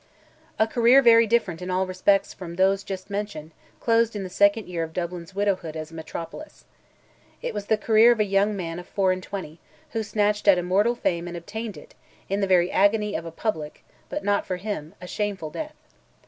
A career very different in all respects from those just mentioned, closed in the second year of Dublin's widowhood as a metropolis. It was the career of a young man of four and twenty, who snatched at immortal fame and obtained it, in the very agony of a public, but not for him, a shameful death.